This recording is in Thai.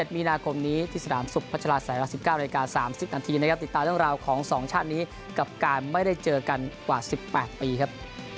มีนาคมนี้ที่สนามสุขพัชราศัยเวลา๑๙นาที๓๐นาทีนะครับติดตามเรื่องราวของ๒ชาตินี้กับการไม่ได้เจอกันกว่า๑๘ปีครับ